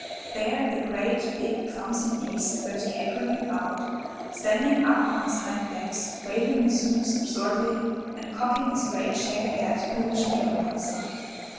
There the great, big, clumsy beast went capering about, standing up on his hind legs, waving his hoofs absurdly, and cocking his great shaggy head foolishly on one side.